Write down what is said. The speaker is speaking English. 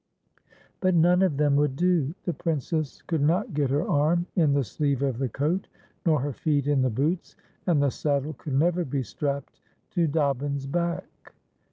But none of them would do. The Princess could not get her arm in the sleeve of the coat, nor her feet in the boots, and the saddle could never be strapped to Dobbin's back.